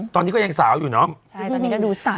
ตอนนี้ก็ยังสาวอยู่เนาะ